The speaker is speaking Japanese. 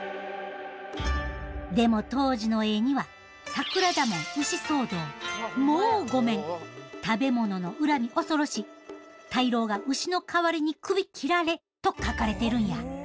でも当時の絵には「桜田門牛騒動」「モウ御免」「食べもののの恨み恐ろし」「大老が牛の代わりに首切られ」と書かれているんや。